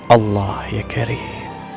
allah ya garib